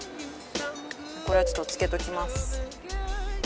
これは、ちょっと漬けときます。